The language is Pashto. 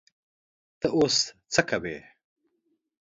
ته اوس څه کوې؟